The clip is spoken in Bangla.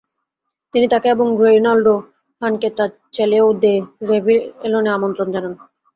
তিনি তাকে এবং রেইনাল্ডো হানকে তার চ্যালেউ দে রেভিয়েলনে আমন্ত্রণ জানান।